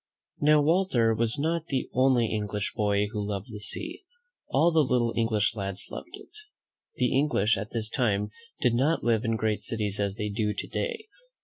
Now, Walter was not the only English boy who loved the sea. All the little English lads loved it. The English at this time did not live in great cities as they do to day.